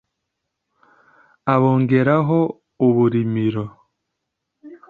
abogeraho uburimiro